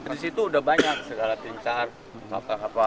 di situ udah banyak segala tincaan salta kapal